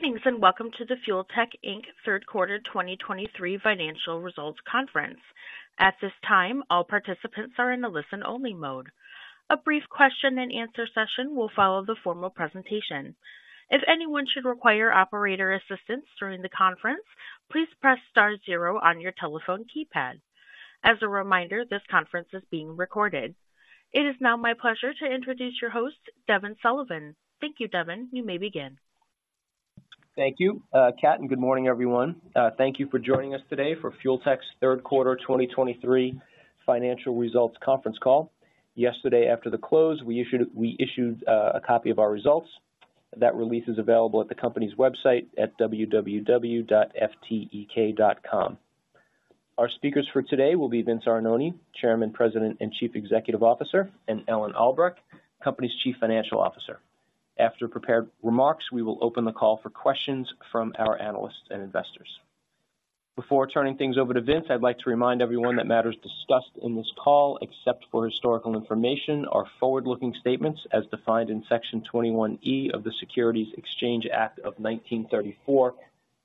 Greetings, and welcome to the Fuel Tech, Inc. Third Quarter 2023 financial results conference. At this time, all participants are in a listen-only mode. A brief question and answer session will follow the formal presentation. If anyone should require operator assistance during the conference, please press star zero on your telephone keypad. As a reminder, this conference is being recorded. It is now my pleasure to introduce your host, Devin Sullivan. Thank you, Devin. You may begin. Thank you, Kat, and good morning, everyone. Thank you for joining us today for Fuel Tech's third quarter 2023 financial results conference call. Yesterday, after the close, we issued a copy of our results. That release is available at the company's website at www.ftek.com. Our speakers for today will be Vince Arnone, Chairman, President, and Chief Executive Officer, and Ellen Albrecht, company's Chief Financial Officer. After prepared remarks, we will open the call for questions from our analysts and investors. Before turning things over to Vince, I'd like to remind everyone that matters discussed in this call, except for historical information, are forward-looking statements as defined in Section 21E of the Securities Exchange Act of 1934,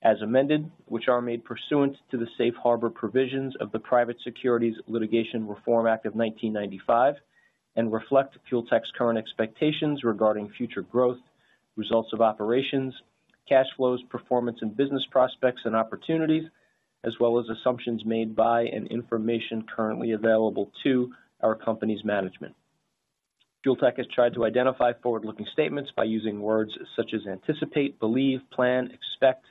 as amended, which are made pursuant to the safe harbor provisions of the Private Securities Litigation Reform Act of 1995. Reflect Fuel Tech's current expectations regarding future growth, results of operations, cash flows, performance and business prospects and opportunities, as well as assumptions made by and information currently available to our company's management. Fuel Tech has tried to identify forward-looking statements by using words such as anticipate, believe, plan, expect,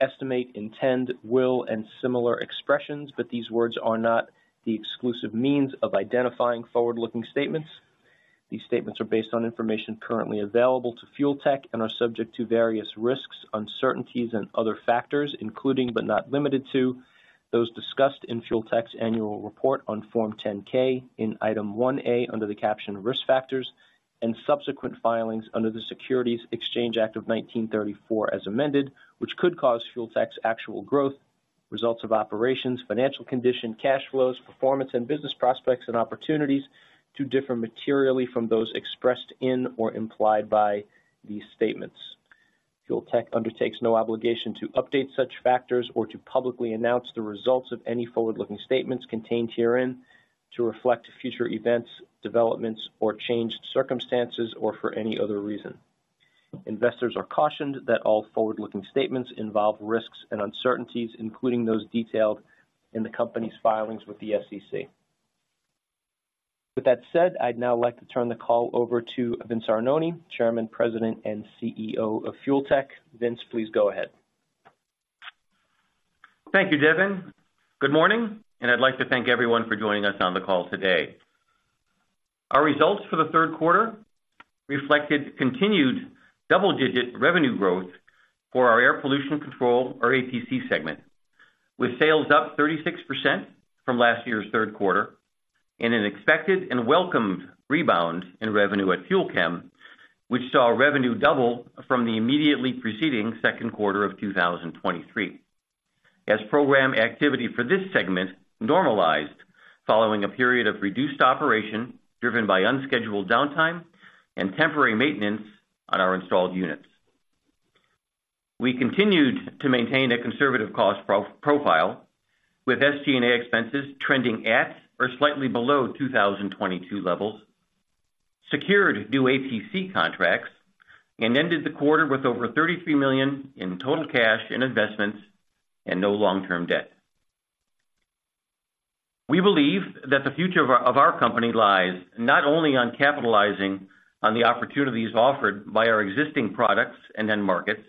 estimate, intend, will, and similar expressions, but these words are not the exclusive means of identifying forward-looking statements. These statements are based on information currently available to Fuel Tech and are subject to various risks, uncertainties, and other factors, including, but not limited to, those discussed in Fuel Tech's annual report on Form 10-K in Item 1A under the caption Risk Factors and Subsequent Filings under the Securities Exchange Act of 1934, as amended, which could cause Fuel Tech's actual growth, results of operations, financial condition, cash flows, performance, and business prospects and opportunities to differ materially from those expressed in or implied by these statements. Fuel Tech undertakes no obligation to update such factors or to publicly announce the results of any forward-looking statements contained herein to reflect future events, developments or changed circumstances, or for any other reason. Investors are cautioned that all forward-looking statements involve risks and uncertainties, including those detailed in the company's filings with the SEC. With that said, I'd now like to turn the call over to Vince Arnone, Chairman, President, and CEO of Fuel Tech. Vince, please go ahead. Thank you, Devin. Good morning, and I'd like to thank everyone for joining us on the call today. Our results for the third quarter reflected continued double-digit revenue growth for our air pollution control, or APC segment, with sales up 36% from last year's third quarter, and an expected and welcomed rebound in revenue at FUEL CHEM, which saw revenue double from the immediately preceding second quarter of 2023. As program activity for this segment normalized following a period of reduced operation driven by unscheduled downtime and temporary maintenance on our installed units. We continued to maintain a conservative cost profile, with SG&A expenses trending at or slightly below 2022 levels, secured new APC contracts and ended the quarter with over $33 million in total cash and investments and no long-term debt. We believe that the future of our company lies not only on capitalizing on the opportunities offered by our existing products and end markets,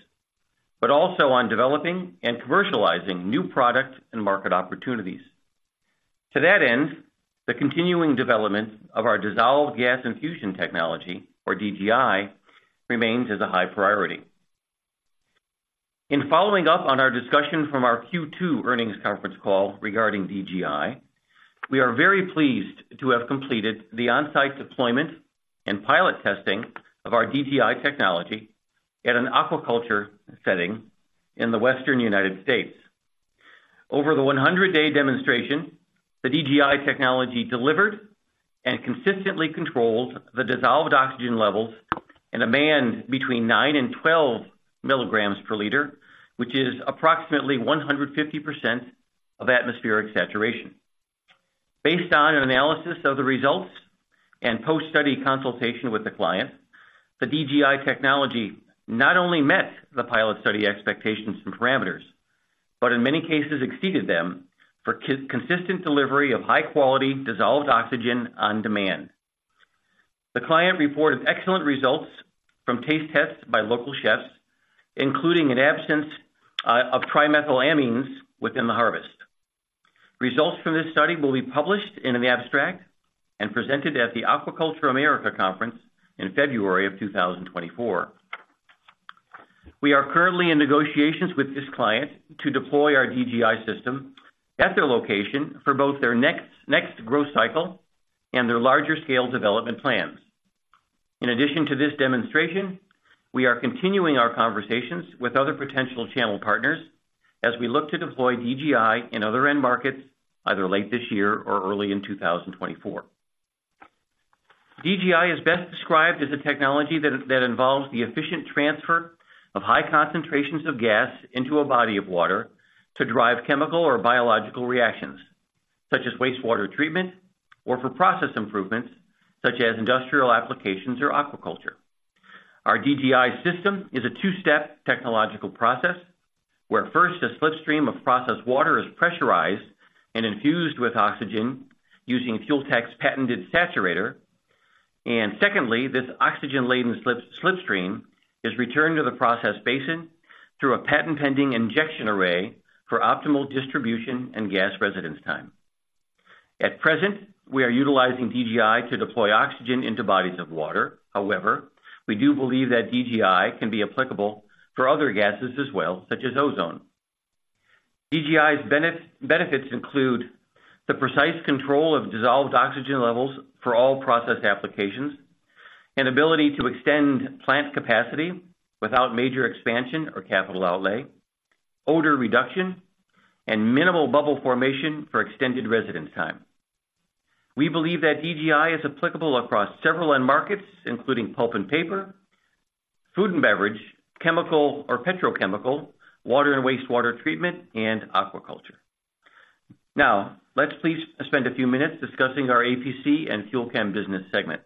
but also on developing and commercializing new products and market opportunities. To that end, the continuing development of our dissolved gas infusion technology, or DGI, remains as a high priority. In following up on our discussion from our Q2 earnings conference call regarding DGI, we are very pleased to have completed the on-site deployment and pilot testing of our DGI technology at an aquaculture setting in the western United States. Over the 100-day demonstration, the DGI technology delivered and consistently controlled the dissolved oxygen levels in a band between 9 and 12 milligrams per liter, which is approximately 150% of atmospheric saturation. Based on an analysis of the results and post-study consultation with the client, the DGI technology not only met the pilot study expectations and parameters, but in many cases exceeded them for consistent delivery of high-quality dissolved oxygen on demand. The client reported excellent results from taste tests by local chefs, including an absence of trimethylamines within the harvest. Results from this study will be published in an abstract and presented at the Aquaculture America Conference in February 2024. We are currently in negotiations with this client to deploy our DGI system at their location for both their next, next growth cycle and their larger scale development plans. In addition to this demonstration, we are continuing our conversations with other potential channel partners as we look to deploy DGI in other end markets, either late this year or early in 2024. DGI is best described as a technology that involves the efficient transfer of high concentrations of gas into a body of water to drive chemical or biological reactions, such as wastewater treatment or for process improvements, such as industrial applications or aquaculture. Our DGI system is a two-step technological process, where first, a slipstream of processed water is pressurized and infused with oxygen using Fuel Tech's patented saturator. Secondly, this oxygen-laden slipstream is returned to the process basin through a patent-pending injection array for optimal distribution and gas residence time. At present, we are utilizing DGI to deploy oxygen into bodies of water. However, we do believe that DGI can be applicable for other gases as well, such as ozone. DGI's benefits include the precise control of dissolved oxygen levels for all processed applications, and ability to extend plant capacity without major expansion or capital outlay, odor reduction, and minimal bubble formation for extended residence time. We believe that DGI is applicable across several end markets, including pulp and paper, food and beverage, chemical or petrochemical, water and wastewater treatment, and aquaculture. Now, let's please spend a few minutes discussing our APC and FUEL CHEM business segments.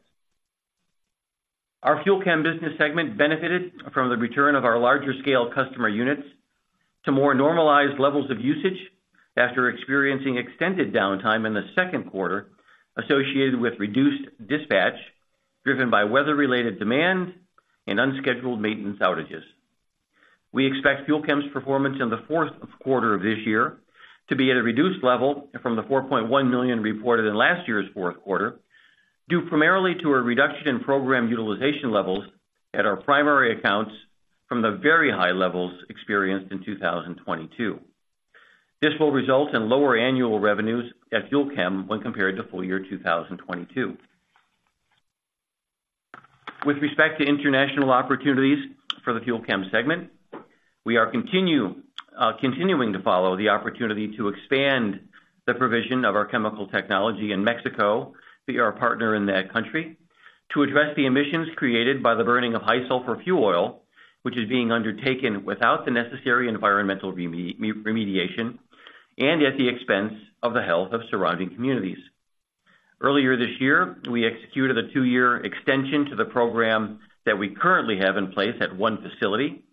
Our FUEL CHEM business segment benefited from the return of our larger-scale customer units to more normalized levels of usage after experiencing extended downtime in the second quarter, associated with reduced dispatch, driven by weather-related demand and unscheduled maintenance outages. We expect FUEL CHEM's performance in the fourth quarter of this year to be at a reduced level from the $4.1 million reported in last year's fourth quarter, due primarily to a reduction in program utilization levels at our primary accounts from the very high levels experienced in 2022. This will result in lower annual revenues at FUEL CHEM when compared to full year 2022. With respect to international opportunities for the FUEL CHEM segment, we are continuing to follow the opportunity to expand the provision of our chemical technology in Mexico, via our partner in that country, to address the emissions created by the burning of high sulfur fuel oil, which is being undertaken without the necessary environmental remediation, and at the expense of the health of surrounding communities. Earlier this year, we executed a two-year extension to the program that we currently have in place at one facility,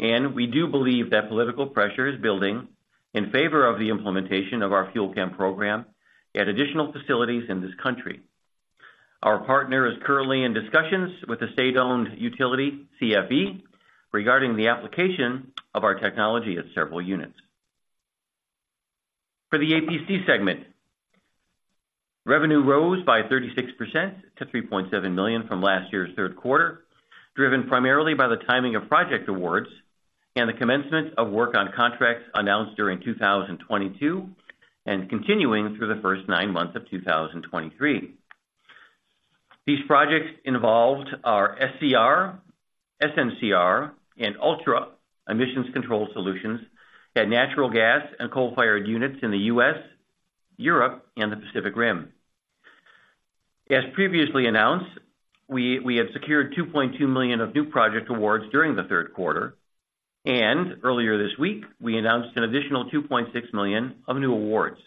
and we do believe that political pressure is building in favor of the implementation of our FUEL CHEM program at additional facilities in this country. Our partner is currently in discussions with the state-owned utility, CFE, regarding the application of our technology at several units. For the APC segment, revenue rose by 36% to $3.7 million from last year's third quarter, driven primarily by the timing of project awards and the commencement of work on contracts announced during 2022, and continuing through the first nine months of 2023. These projects involved our SCR, SNCR, and ULTRA emissions control solutions at natural gas and coal-fired units in the U.S., Europe, and the Pacific Rim. As previously announced, we have secured $2.2 million of new project awards during the third quarter, and earlier this week, we announced an additional $2.6 million of new awards.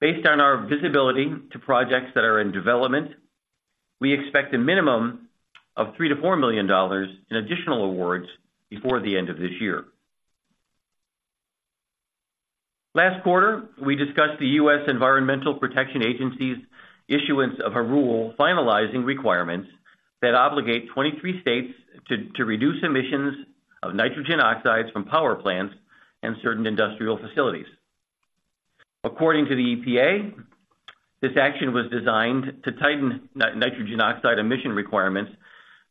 Based on our visibility to projects that are in development, we expect a minimum of $3-$4 million in additional awards before the end of this year. Last quarter, we discussed the U.S. Environmental Protection Agency's issuance of a rule, finalizing requirements that obligate 23 states to reduce emissions of nitrogen oxides from power plants and certain industrial facilities. According to the EPA, this action was designed to tighten nitrogen oxide emission requirements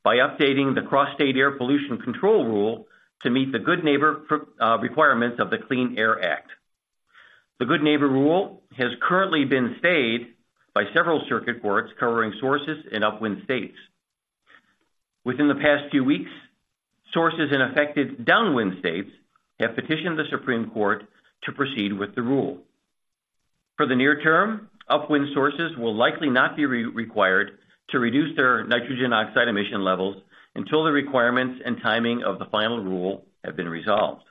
by updating the Cross-State Air Pollution Rule to meet the Good Neighbor requirements of the Clean Air Act. The Good Neighbor rule has currently been stayed by several circuit courts covering sources in upwind states. Within the past few weeks, sources in affected downwind states have petitioned the Supreme Court to proceed with the rule. For the near term, upwind sources will likely not be required to reduce their nitrogen oxide emission levels until the requirements and timing of the final rule have been resolved.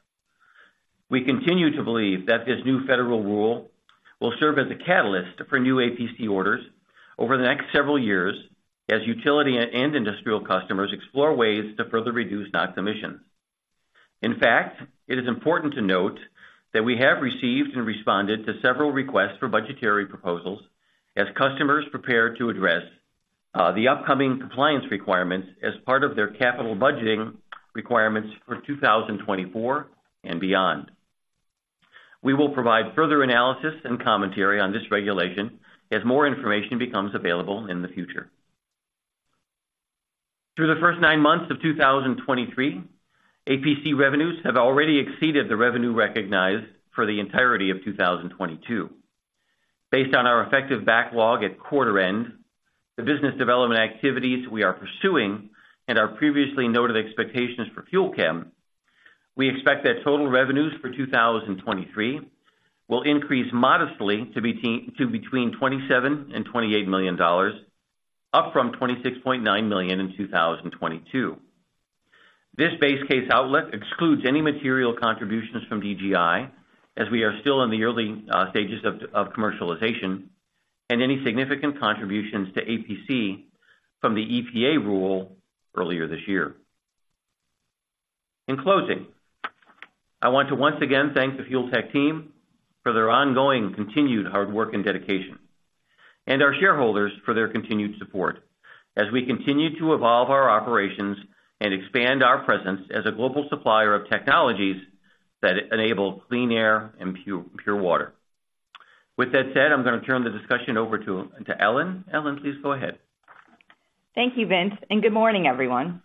We continue to believe that this new federal rule will serve as a catalyst for new APC orders over the next several years, as utility and industrial customers explore ways to further reduce NOx emissions. In fact, it is important to note that we have received and responded to several requests for budgetary proposals as customers prepare to address the upcoming compliance requirements as part of their capital budgeting requirements for 2024 and beyond. We will provide further analysis and commentary on this regulation as more information becomes available in the future. Through the first nine months of 2023, APC revenues have already exceeded the revenue recognized for the entirety of 2022. Based on our effective backlog at quarter end, the business development activities we are pursuing and our previously noted expectations for FUEL CHEM-... We expect that total revenues for 2023 will increase modestly to between $27 million-$28 million, up from $26.9 million in 2022. This base case outlook excludes any material contributions from DGI, as we are still in the early stages of commercialization, and any significant contributions to APC from the EPA rule earlier this year. In closing, I want to once again thank the Fuel Tech team for their ongoing continued hard work and dedication, and our shareholders for their continued support as we continue to evolve our operations and expand our presence as a global supplier of technologies that enable clean air and pure, pure water. With that said, I'm gonna turn the discussion over to Ellen. Ellen, please go ahead. Thank you, Vince, and good morning, everyone.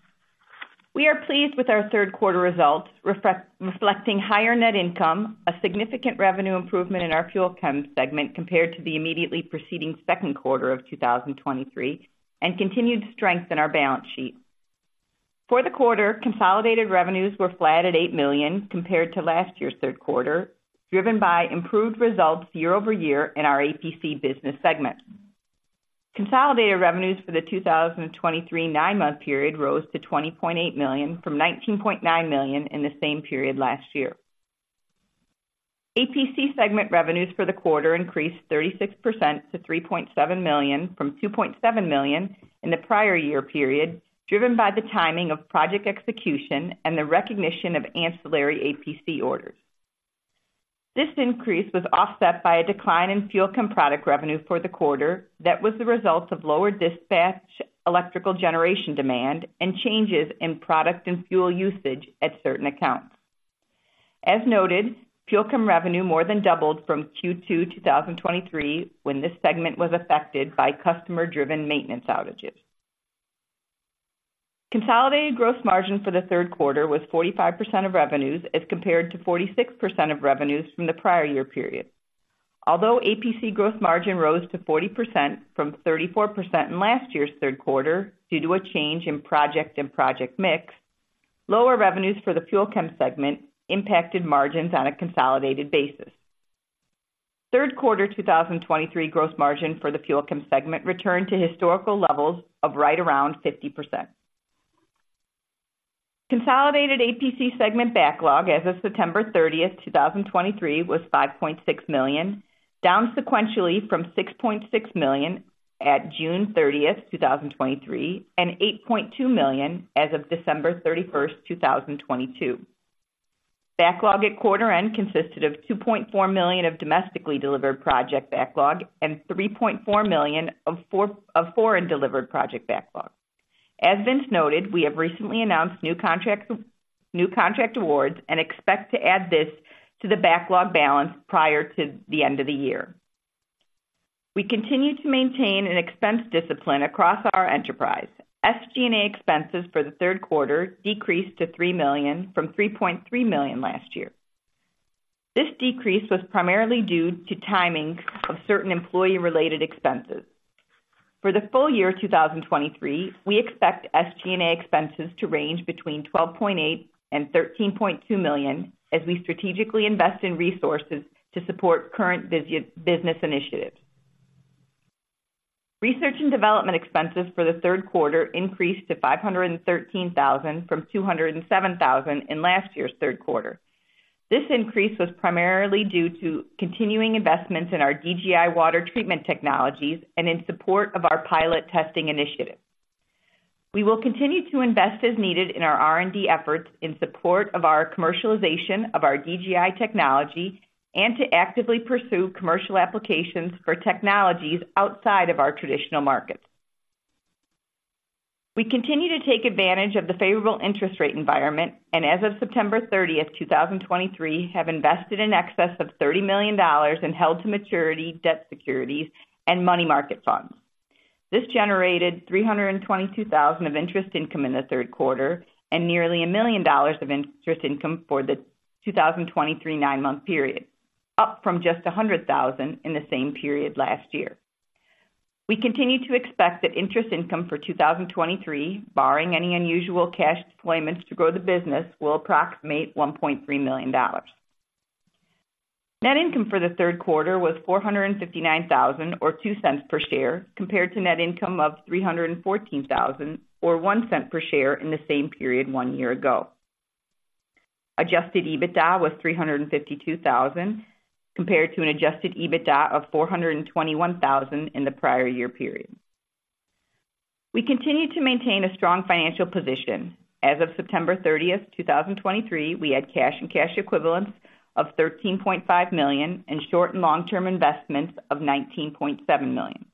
We are pleased with our third quarter results, reflecting higher net income, a significant revenue improvement in our FUEL CHEM segment compared to the immediately preceding second quarter of 2023, and continued strength in our balance sheet. For the quarter, consolidated revenues were flat at $8 million compared to last year's third quarter, driven by improved results year-over-year in our APC business segment. Consolidated revenues for the 2023 nine-month period rose to $20.8 million, from $19.9 million in the same period last year. APC segment revenues for the quarter increased 36% to $3.7 million, from $2.7 million in the prior year period, driven by the timing of project execution and the recognition of ancillary APC orders. This increase was offset by a decline in FUEL CHEM product revenue for the quarter that was the result of lower dispatch, electrical generation demand, and changes in product and fuel usage at certain accounts. As noted, FUEL CHEM revenue more than doubled from Q2 2023, when this segment was affected by customer-driven maintenance outages. Consolidated gross margin for the third quarter was 45% of revenues, as compared to 46% of revenues from the prior year period. Although APC gross margin rose to 40% from 34% in last year's third quarter due to a change in project and project mix, lower revenues for the FUEL CHEM segment impacted margins on a consolidated basis. Third quarter 2023 gross margin for the FUEL CHEM segment returned to historical levels of right around 50%. Consolidated APC segment backlog as of September 30th, 2023, was $5.6 million, down sequentially from $6.6 million at June 30th, 2023, and $8.2 million as of December 31, 2022. Backlog at quarter end consisted of $2.4 million of domestically delivered project backlog and $3.4 million of foreign delivered project backlog. As Vince noted, we have recently announced new contract awards and expect to add this to the backlog balance prior to the end of the year. We continue to maintain an expense discipline across our enterprise. SG&A expenses for the third quarter decreased to $3 million from $3.3 million last year. This decrease was primarily due to timing of certain employee-related expenses. For the full year 2023, we expect SG&A expenses to range between $12.8 million and $13.2 million as we strategically invest in resources to support current business initiatives. Research and development expenses for the third quarter increased to $513,000, from $207,000 in last year's third quarter. This increase was primarily due to continuing investments in our DGI water treatment technologies and in support of our pilot testing initiative. We will continue to invest as needed in our R&D efforts in support of our commercialization of our DGI technology and to actively pursue commercial applications for technologies outside of our traditional markets. We continue to take advantage of the favorable interest rate environment, and as of September 30, 2023, have invested in excess of $30 million in Held to Maturity debt securities and money market funds. This generated $322,000 of interest income in the third quarter and nearly $1 million of interest income for the 2023 nine-month period, up from just $100,000 in the same period last year. We continue to expect that interest income for 2023, barring any unusual cash deployments to grow the business, will approximate $1.3 million. Net income for the third quarter was $459,000 or $0.02 per share, compared to net income of $314,000 or $0.01 per share in the same period one year ago. Adjusted EBITDA was $352,000, compared to an adjusted EBITDA of $421,000 in the prior year period. We continue to maintain a strong financial position. As of September 30th, 2023, we had cash and cash equivalents of $13.5 million, and short and long-term investments of $19.7 million.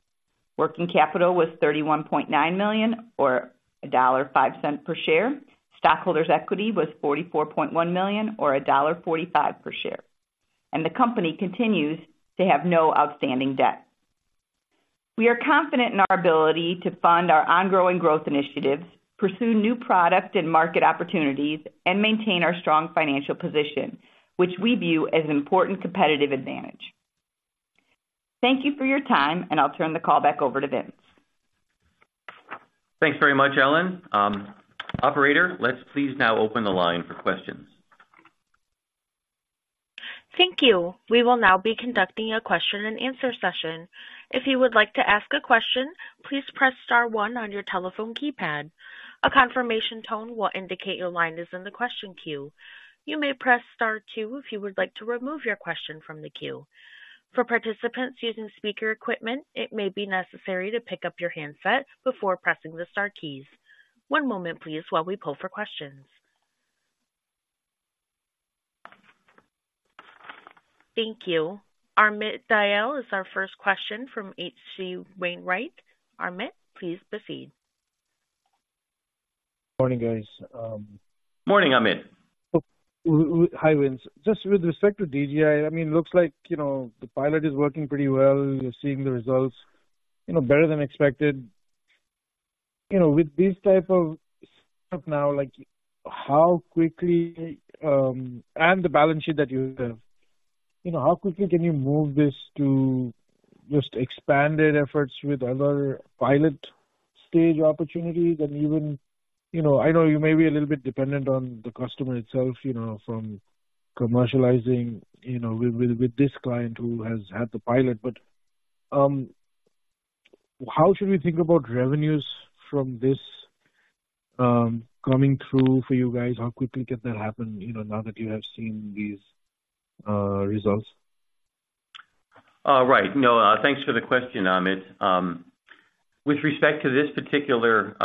Working capital was $31.9 million, or $1.05 per share. Stockholders' equity was $44.1 million or $1.45 per share, and the company continues to have no outstanding debt. We are confident in our ability to fund our ongoing growth initiatives, pursue new product and market opportunities, and maintain our strong financial position, which we view as an important competitive advantage. Thank you for your time, and I'll turn the call back over to Vince. Thanks very much, Ellen. Operator, let's please now open the line for questions. Thank you. We will now be conducting a question and answer session. If you would like to ask a question, please press star one on your telephone keypad. A confirmation tone will indicate your line is in the question queue. You may press star two if you would like to remove your question from the queue. For participants using speaker equipment, it may be necessary to pick up your handset before pressing the star keys. One moment please, while we pull for questions. Thank you. Amit Dayal is our first question from H.C. Wainwright. Amit, please proceed. Morning, guys. Morning, Amit. Hi, Vince. Just with respect to DGI, I mean, it looks like, you know, the pilot is working pretty well. You're seeing the results, you know, better than expected. You know, with this type of stuff now, like, how quickly, and the balance sheet that you have, you know, how quickly can you move this to just expanded efforts with other pilot stage opportunities? And even, you know, I know you may be a little bit dependent on the customer itself, you know, from commercializing, you know, with this client who has had the pilot. But, how should we think about revenues from this, coming through for you guys? How quickly can that happen, you know, now that you have seen these, results? Right. No, thanks for the question, Amit. With respect to this particular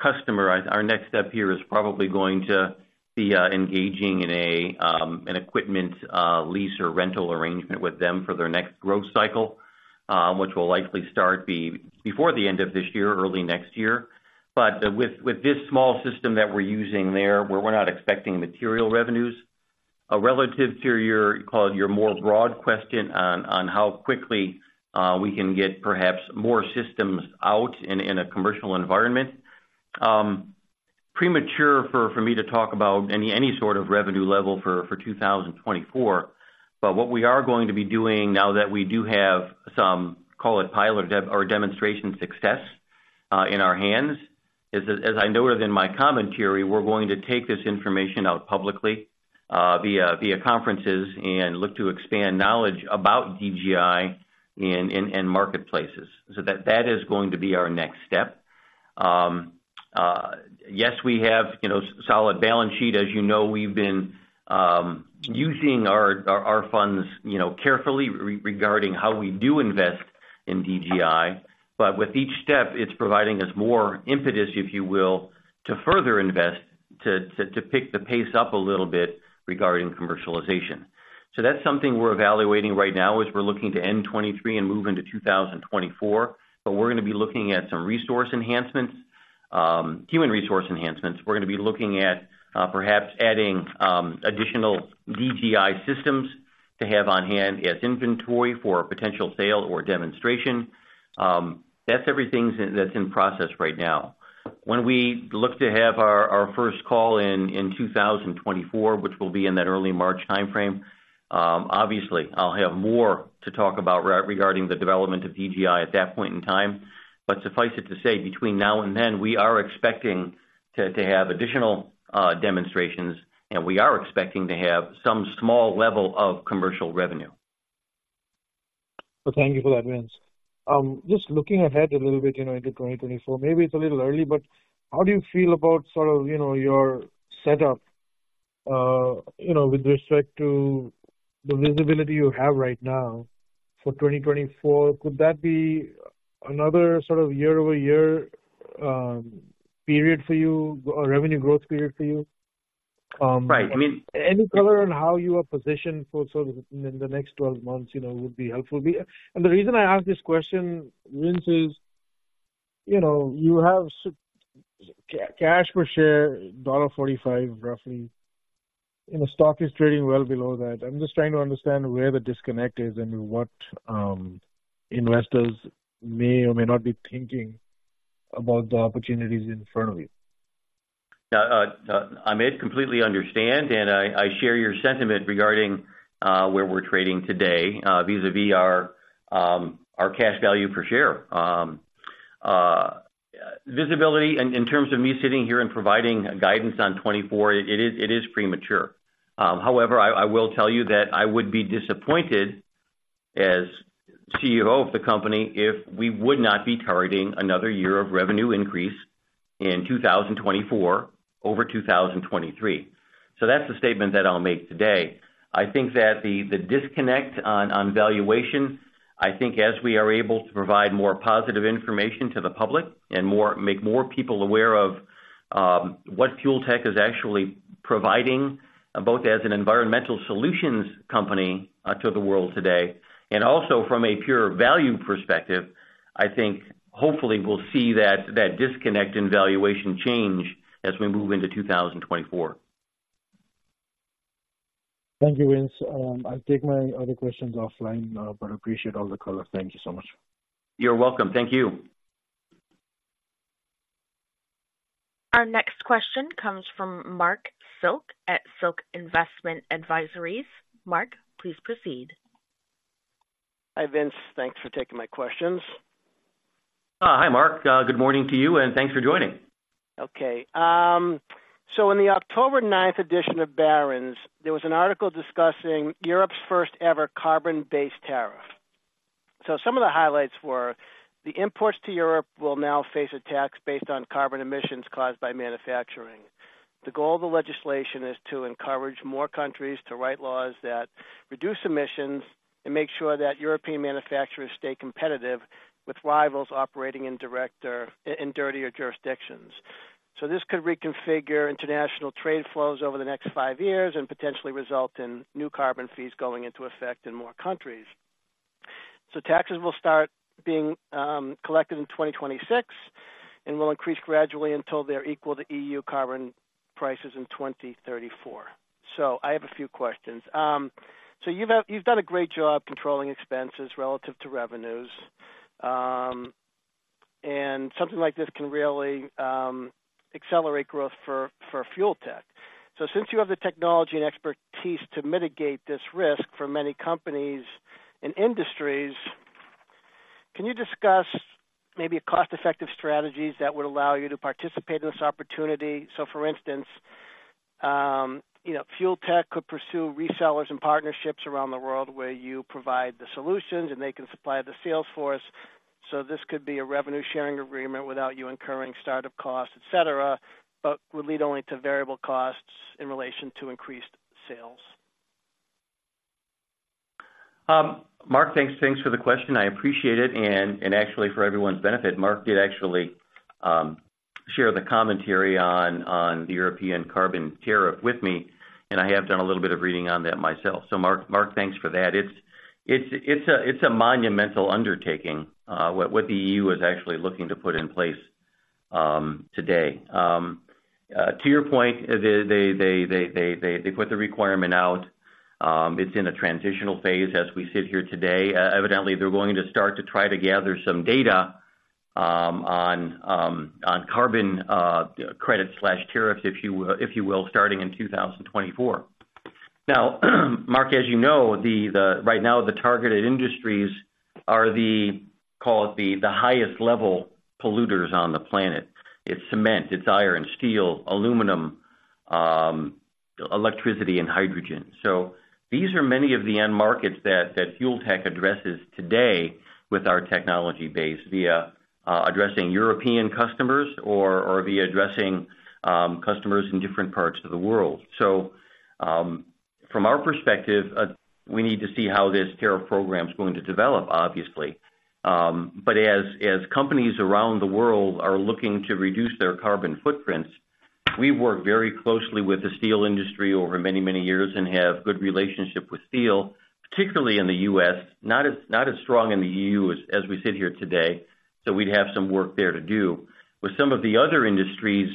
customer, our next step here is probably going to be engaging in an equipment lease or rental arrangement with them for their next growth cycle, which will likely start before the end of this year or early next year. But with this small system that we're using there, we're not expecting material revenues. Relative to your, call it, your more broad question on how quickly we can get perhaps more systems out in a commercial environment. It's premature for me to talk about any sort of revenue level for 2024, but what we are going to be doing now that we do have some, call it pilot dev or demonstration success in our hands, is as I noted in my commentary, we're going to take this information out publicly via conferences and look to expand knowledge about DGI in end marketplaces. So that is going to be our next step. Yes, we have, you know, solid balance sheet. As you know, we've been using our funds, you know, carefully regarding how we do invest in DGI. But with each step, it's providing us more impetus, if you will, to further invest to pick the pace up a little bit regarding commercialization. So that's something we're evaluating right now as we're looking to end 2023 and move into 2024. But we're gonna be looking at some resource enhancements, human resource enhancements. We're gonna be looking at, perhaps adding, additional DGI systems to have on hand as inventory for a potential sale or demonstration. That's everything in process right now. When we look to have our first call in 2024, which will be in that early March timeframe, obviously I'll have more to talk about regarding the development of DGI at that point in time. But suffice it to say, between now and then, we are expecting to have additional demonstrations, and we are expecting to have some small level of commercial revenue. So thank you for that, Vince. Just looking ahead a little bit, you know, into 2024, maybe it's a little early, but how do you feel about sort of, you know, your setup, you know, with respect to the visibility you have right now for 2024? Could that be another sort of year-over-year, period for you, or revenue growth period for you? Right, I mean- Any color on how you are positioned for sort of in the next 12 months, you know, would be helpful. And the reason I ask this question, Vince, is, you know, you have cash per share, $1.45, roughly, and the stock is trading well below that. I'm just trying to understand where the disconnect is and what investors may or may not be thinking about the opportunities in front of you. Yeah, Amit, completely understand, and I share your sentiment regarding where we're trading today vis-a-vis our cash value per share. Visibility in terms of me sitting here and providing guidance on 2024, it is premature. However, I will tell you that I would be disappointed as CEO of the company if we would not be targeting another year of revenue increase in 2024, over 2023. So that's the statement that I'll make today. I think that the disconnect on valuation, I think as we are able to provide more positive information to the public and make more people aware of what Fuel Tech is actually providing, both as an environmental solutions company to the world today and also from a pure value perspective, I think hopefully we'll see that disconnect in valuation change as we move into 2024. Thank you, Vince. I'll take my other questions offline, but I appreciate all the color. Thank you so much. You're welcome. Thank you. Our next question comes from Marc Silk at Silk Investment Advisors. Marc, please proceed. Hi, Vince. Thanks for taking my questions. Hi, Marc. Good morning to you, and thanks for joining. Okay. So in the October 9 edition of Barron's, there was an article discussing Europe's first-ever carbon-based tariff. So some of the highlights were: the imports to Europe will now face a tax based on carbon emissions caused by manufacturing. The goal of the legislation is to encourage more countries to write laws that reduce emissions and make sure that European manufacturers stay competitive with rivals operating in dirtier jurisdictions. So this could reconfigure international trade flows over the next five years and potentially result in new carbon fees going into effect in more countries. So taxes will start being collected in 2026 and will increase gradually until they're equal to EU carbon prices in 2034. So I have a few questions. So you've done a great job controlling expenses relative to revenues, and something like this can really accelerate growth for Fuel Tech. So since you have the technology and expertise to mitigate this risk for many companies and industries, can you discuss maybe cost-effective strategies that would allow you to participate in this opportunity? So for instance, you know, Fuel Tech could pursue resellers and partnerships around the world where you provide the solutions, and they can supply the sales force. So this could be a revenue-sharing agreement without you incurring startup costs, et cetera, but would lead only to variable costs in relation to increased sales. Marc, thanks. Thanks for the question. I appreciate it, and actually for everyone's benefit, Marc did actually share the commentary on the European carbon tariff with me, and I have done a little bit of reading on that myself. So Marc, thanks for that. It's a monumental undertaking what the EU is actually looking to put in place today. To your point, they put the requirement out. It's in a transitional phase as we sit here today. Evidently, they're going to start to try to gather some data on carbon credit/tariff, if you will, starting in 2024. Now, Marc, as you know, right now, the targeted industries are the, call it the highest level polluters on the planet. It's cement, it's iron, steel, aluminum, electricity, and hydrogen. So these are many of the end markets that Fuel Tech addresses today with our technology base via addressing European customers or via addressing customers in different parts of the world. So, from our perspective, we need to see how this tariff program is going to develop, obviously. But as companies around the world are looking to reduce their carbon footprints, we work very closely with the steel industry over many, many years and have good relationship with steel, particularly in the U.S., not as strong in the EU as we sit here today, so we'd have some work there to do. With some of the other industries,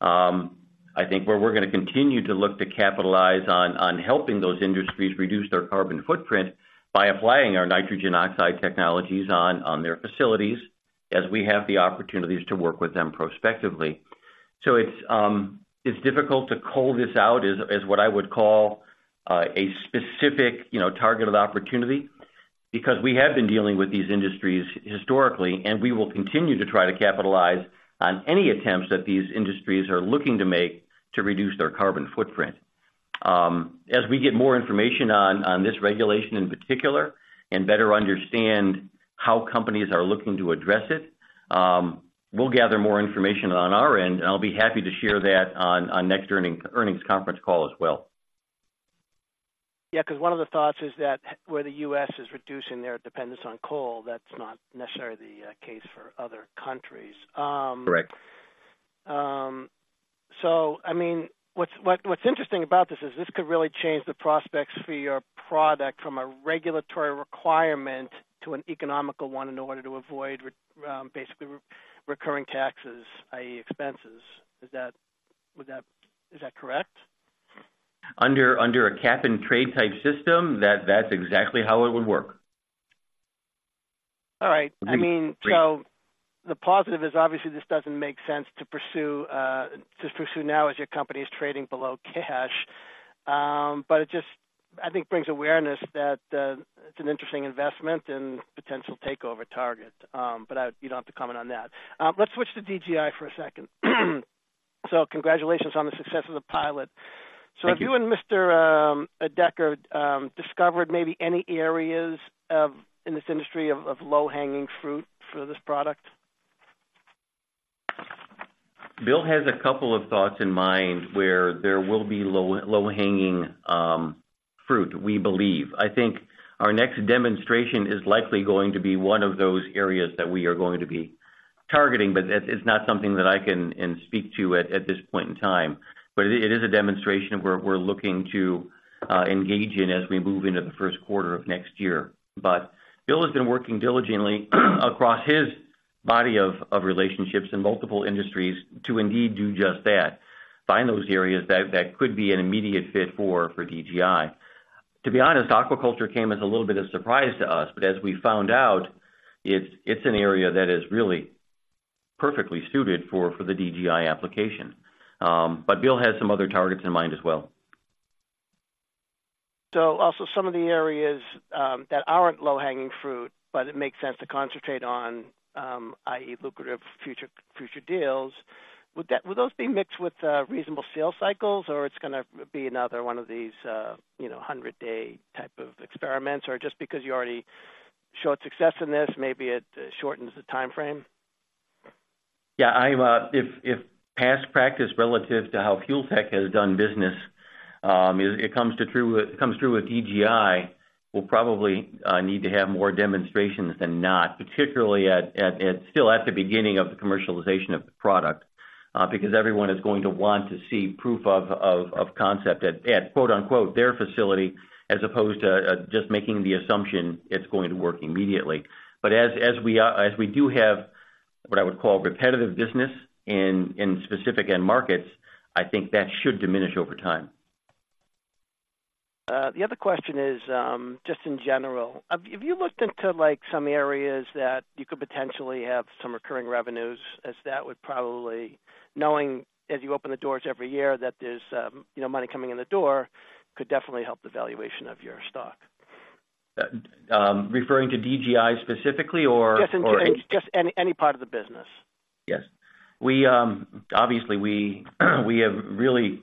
I think where we're gonna continue to look to capitalize on, on helping those industries reduce their carbon footprint by applying our nitrogen oxide technologies on, on their facilities as we have the opportunities to work with them prospectively. So it's difficult to call this out as what I would call a specific, you know, targeted opportunity because we have been dealing with these industries historically, and we will continue to try to capitalize on any attempts that these industries are looking to make to reduce their carbon footprint. As we get more information on, on this regulation in particular and better understand how companies are looking to address it, we'll gather more information on our end, and I'll be happy to share that on, on next earnings conference call as well. Yeah, cause one of the thoughts is that where the US is reducing their dependence on coal, that's not necessarily the case for other countries. Correct. So, I mean, what's interesting about this is this could really change the prospects for your product from a regulatory requirement to an economical one in order to avoid recurring taxes, i.e., expenses. Is that, would that... Is that correct? Under a Cap and Trade type system, that's exactly how it would work. All right. Agreed. I mean, so the positive is, obviously, this doesn't make sense to pursue, to pursue now as your company is trading below cash. But it just, I think, brings awareness that it's an interesting investment and potential takeover target. But you don't have to comment on that. Let's switch to DGI for a second. So congratulations on the success of the pilot. Thank you. So have you and Mr. Decker discovered maybe any areas of low-hanging fruit in this industry for this product? Bill has a couple of thoughts in mind where there will be low, low-hanging fruit, we believe. I think our next demonstration is likely going to be one of those areas that we are going to be targeting, but it, it's not something that I can speak to at, at this point in time. But it, it is a demonstration we're, we're looking to engage in as we move into the first quarter of next year. But Bill has been working diligently across his body of, of relationships in multiple industries to indeed do just that, find those areas that, that could be an immediate fit for, for DGI. To be honest, aquaculture came as a little bit of surprise to us, but as we found out, it's, it's an area that is perfectly suited for, for the DGI application. But Bill has some other targets in mind as well. So also some of the areas that aren't low-hanging fruit, but it makes sense to concentrate on, i.e., lucrative future deals. Would those be mixed with reasonable sales cycles, or it's gonna be another one of these, you know, 100-day type of experiments? Or just because you already showed success in this, maybe it shortens the time frame? Yeah, if past practice relative to how Fuel Tech has done business, it comes through with DGI, we'll probably need to have more demonstrations than not, particularly still at the beginning of the commercialization of the product, because everyone is going to want to see proof of concept at quote-unquote their facility, as opposed to just making the assumption it's going to work immediately. But as we do have what I would call repetitive business in specific end markets, I think that should diminish over time. The other question is, just in general, have you looked into, like, some areas that you could potentially have some recurring revenues, as that would probably... Knowing as you open the doors every year, that there's, you know, money coming in the door, could definitely help the valuation of your stock. Referring to DGI specifically, or Just any part of the business. Yes. We obviously have really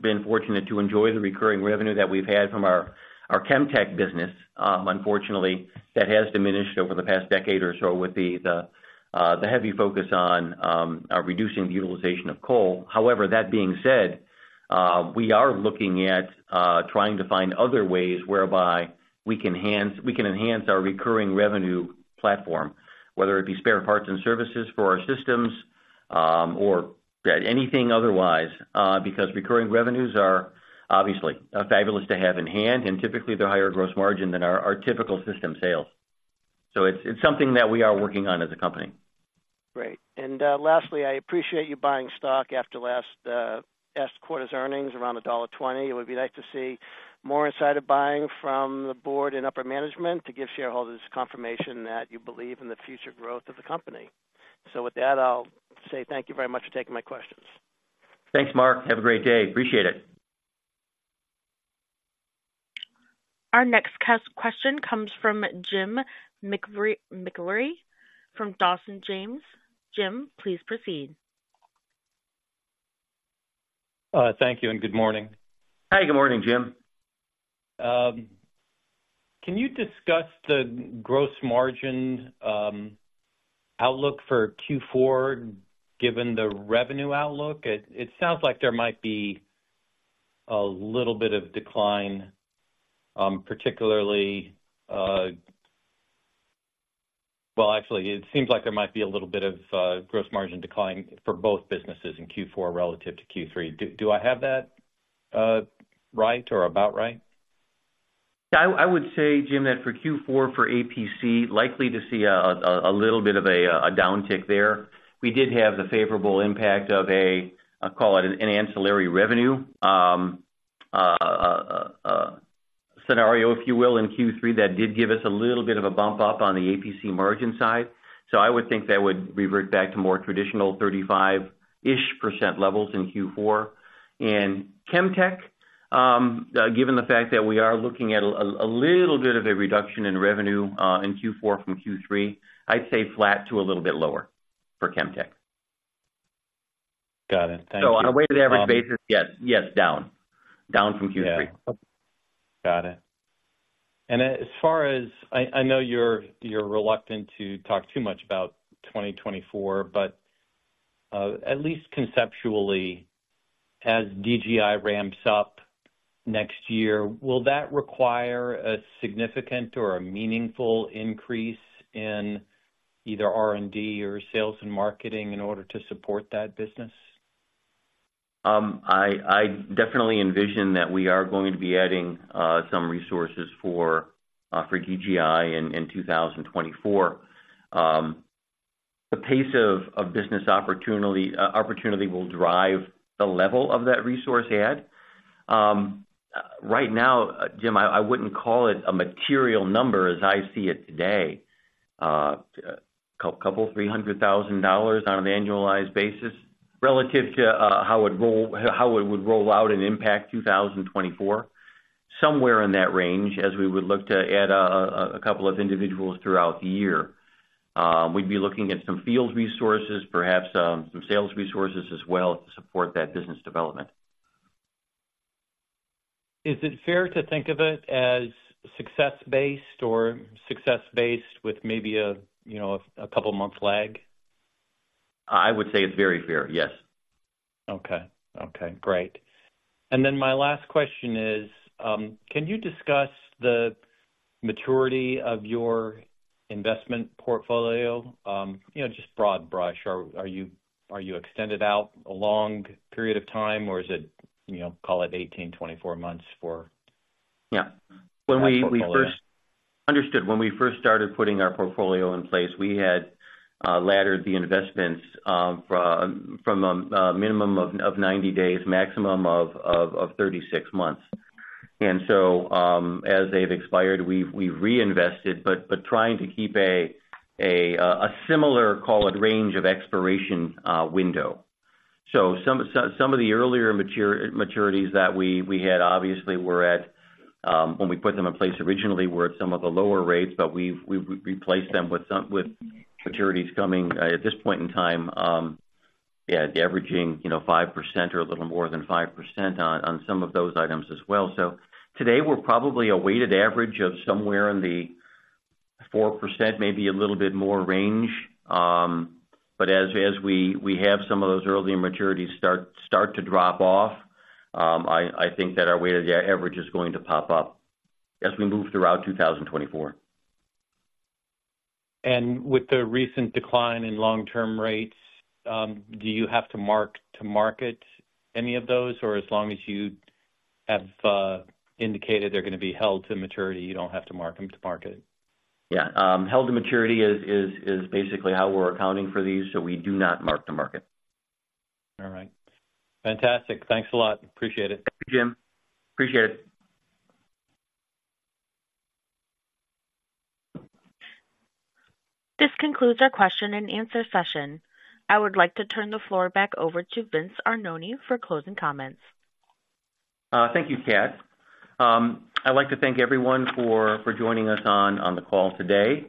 been fortunate to enjoy the recurring revenue that we've had from our FUEL CHEM business. Unfortunately, that has diminished over the past decade or so with the heavy focus on reducing the utilization of coal. However, that being said, we are looking at trying to find other ways whereby we can enhance our recurring revenue platform, whether it be spare parts and services for our systems, or anything otherwise, because recurring revenues are obviously fabulous to have in hand, and typically, they're higher gross margin than our typical system sales. So it's something that we are working on as a company. Great. And, lastly, I appreciate you buying stock after last quarter's earnings around $1.20. It would be nice to see more insider buying from the board and upper management to give shareholders confirmation that you believe in the future growth of the company. So with that, I'll say thank you very much for taking my questions. Thanks, Marc. Have a great day. Appreciate it. Our next question comes from Jim McIlree from Dawson James. Jim, please proceed. Thank you, and good morning. Hi, good morning, Jim. Can you discuss the gross margin outlook for Q4, given the revenue outlook? It sounds like there might be a little bit of decline, particularly. Well, actually, it seems like there might be a little bit of gross margin decline for both businesses in Q4 relative to Q3. Do I have that right or about right? I would say, Jim, that for Q4, for APC, likely to see a little bit of a downtick there. We did have the favorable impact of a, I'll call it an ancillary revenue scenario, if you will, in Q3, that did give us a little bit of a bump up on the APC margin side. So I would think that would revert back to more traditional 35-ish% levels in Q4. In Chemtech, given the fact that we are looking at a little bit of a reduction in revenue in Q4 from Q3, I'd say flat to a little bit lower for Chemtech. Got it. Thank you. On a weighted average basis, yes. Yes, down, down from Q3. Got it. And as far as... I know you're reluctant to talk too much about 2024, but at least conceptually, as DGI ramps up next year, will that require a significant or a meaningful increase in either R&D or sales and marketing in order to support that business? I definitely envision that we are going to be adding some resources for DGI in 2024. The pace of business opportunity will drive the level of that resource add. Right now, Jim, I wouldn't call it a material number as I see it today. A couple, $300,000 on an annualized basis relative to how it would roll out and impact 2024. Somewhere in that range, as we would look to add a couple of individuals throughout the year. We'd be looking at some field resources, perhaps, some sales resources as well, to support that business development. Is it fair to think of it as success-based or success-based with maybe a, you know, a couple of months lag? I would say it's very fair, yes. Okay. Okay, great. And then my last question is, can you discuss the maturity of your investment portfolio? You know, just broad brush, are you extended out a long period of time, or is it, you know, call it 18-24 months for- Yeah. That portfolio. When we first started putting our portfolio in place, we had laddered the investments from a minimum of 90 days, maximum of 36 months. And so, as they've expired, we've reinvested, but trying to keep a similar, call it range of expiration window. So some of the earlier maturities that we had obviously were at, when we put them in place originally, were at some of the lower rates, but we've replaced them with some with maturities coming at this point in time, yeah, averaging, you know, 5% or a little more than 5% on some of those items as well. So today, we're probably a weighted average of somewhere in the 4%, maybe a little bit more range. As we have some of those earlier maturities start to drop off, I think that our weighted average is going to pop up as we move throughout 2024. With the recent decline in long-term rates, do you have to mark to market any of those? Or as long as you have indicated they're gonna be held to maturity, you don't have to mark them to market. Yeah, Held to Maturity is basically how we're accounting for these, so we do not mark to market. All right. Fantastic. Thanks a lot. Appreciate it. Thank you, Jim. Appreciate it. This concludes our question and answer session. I would like to turn the floor back over to Vince Arnone for closing comments. Thank you, Kat. I'd like to thank everyone for joining us on the call today.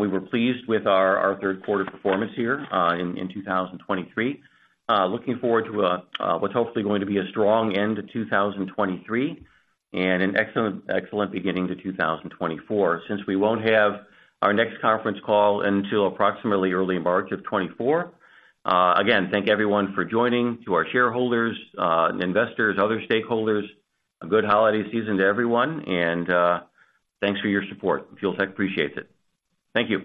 We were pleased with our third quarter performance here in 2023. Looking forward to what's hopefully going to be a strong end to 2023 and an excellent beginning to 2024. Since we won't have our next conference call until approximately early March of 2024, again, thank everyone for joining. To our shareholders, investors, other stakeholders, a good holiday season to everyone, and thanks for your support. Fuel Tech appreciates it. Thank you.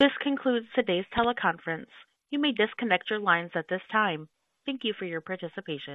This concludes today's teleconference. You may disconnect your lines at this time. Thank you for your participation.